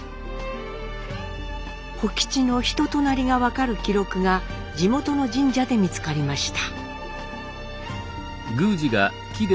甫吉の人となりが分かる記録が地元の神社で見つかりました。